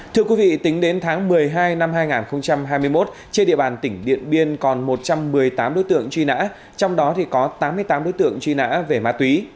thưa quý vị tính đến tháng một mươi hai năm hai nghìn hai mươi một trên địa bàn tỉnh điện biên còn một trăm một mươi tám đối tượng truy nã trong đó thì có tám mươi tám đối tượng truy nã về ma túy